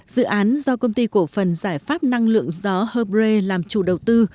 dự án do công ty cổ phần giải pháp năng lượng gió hơbre làm chủ đầu tư